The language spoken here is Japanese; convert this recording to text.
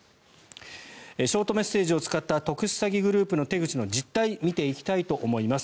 ショートメッセージを使った特殊詐欺グループの手口の実態を見ていきたいと思います。